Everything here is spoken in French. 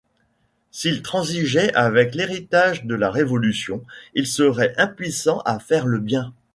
S'il transigeait avec l'héritage de la Révolution, il serait impuissant à faire le bien.